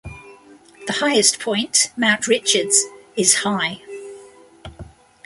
The highest point, Mount Richards, is high.